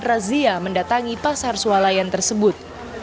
razia mendatangi pasar sualayan tersebut